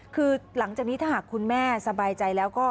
คือหลังจากนี้ถ้าหากคุณแม่สบายใจแล้วก็